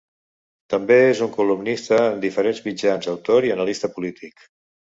També és un columnista en diferents mitjans, autor i analista polític.